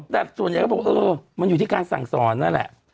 แต่ส่วนใหญ่ก็บอกเออมันอยู่ที่การสั่งสอนนั่นแหละ